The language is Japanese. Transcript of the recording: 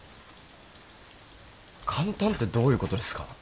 簡単ってどういうことですか？